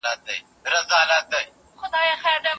که کار وي نو جسه نه وي.